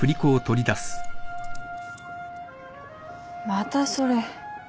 またそれ。